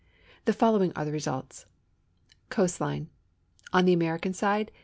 'I'he following are the results: C<)((xt Liiw On American side